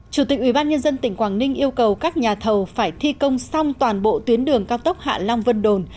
chủ tịch ubnd tỉnh quảng ninh yêu cầu các nhà thầu phải thi công xong toàn bộ tuyến đường cao tốc hạ long vân đồn